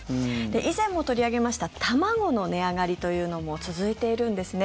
以前も取り上げました卵の値上がりというのも続いているんですね。